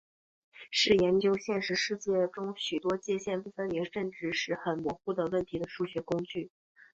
是研究现实世界中许多界限不分明甚至是很模糊的问题的数学工具。